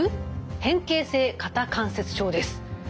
変形性肩関節症です。